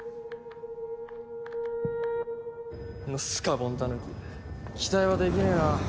あのスカポンタヌキ期待はできねえな。